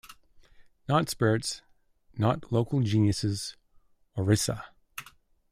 Not spirits, not local geniuses - Orisa.